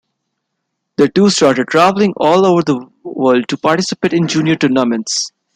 The two started traveling all over the world to participate in junior tournaments.